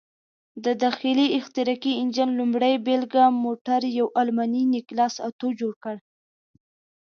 د داخلي احتراقي انجن لومړۍ بېلګه موټر یو الماني نیکلاس اتو جوړ کړ.